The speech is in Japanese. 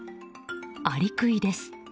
アリクイです。